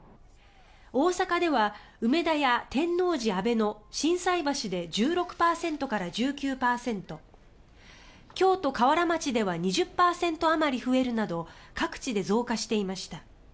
大阪では梅田や天王寺、阿倍野、心斎橋で１６％から１９％京都・河原町では２０％あまり増えるなど各地で増加していました。